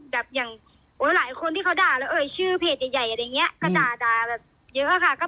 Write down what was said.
แบบอย่างหลายคนที่เขาด่าแล้วเอ่ยชื่อเพจใหญ่อะไรอย่างนี้ก็ด่าแบบเยอะค่ะ